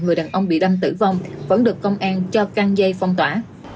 người đàn ông bị đâm tử vong vẫn được công an cho căng dây phong tỏa